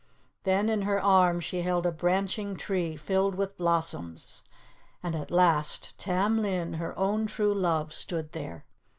Then in her arms she held a branching tree, filled with blossoms. And at last Tam Lin, her own true love, stood there.